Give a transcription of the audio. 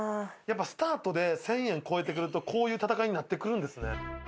スタートで１０００円超えてくると、こういう戦いになってくるんですね。